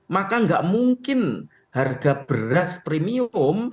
maka nggak mungkin harga beras premium